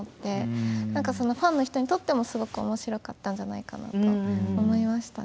ファンの人にとってもすごく面白かったんじゃないかなと思いました。